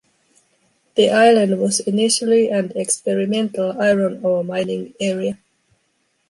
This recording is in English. The island was initially an experimental iron ore mining area.